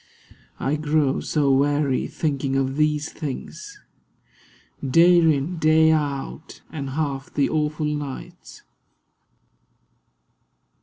I grow so weary thinking of these things; Day in, day out; and half the awful nights.